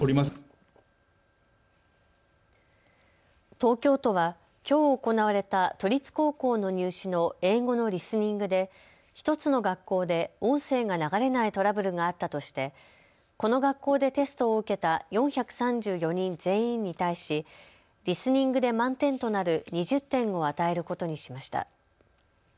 東京都はきょう行われた都立高校の入試の英語のリスニングで１つの学校で音声が流れないトラブルがあったとして、この学校でテストを受けた４３４人全員に対しリスニングで満点となる２０点を与えることにしました。